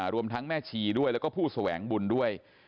รวมทั้งแม่ชีด้วยแล้วก็ผู้แสวงบุญด้วย